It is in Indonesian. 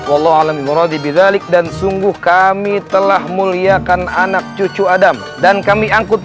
wallohalamimuradzim bila lik dan sungguh kami telah muliakan anak cucu adam dan kami angkut